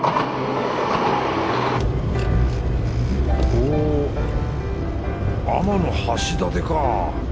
おぉ天橋立か。